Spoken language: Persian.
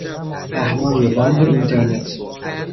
پهنای باند اینترنت